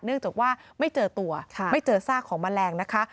เนื่องจากว่าไม่เจอตัวไม่เจอซากของแมลงนะคะ